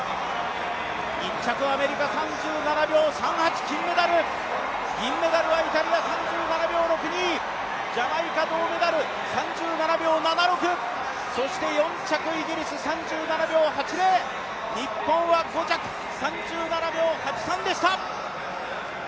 １着アメリカエ３７秒３８、金メダル銀メダルはイタリア３７秒６２ジャマイカ３着、３７秒７６そして４着イギリス３７秒８０、日本は５着、３７秒８３でした。